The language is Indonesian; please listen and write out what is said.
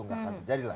tidak akan terjadi lah